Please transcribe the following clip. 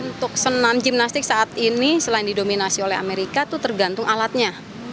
untuk senam gimnastik saat ini selain didominasi oleh amerika itu tergantung alatnya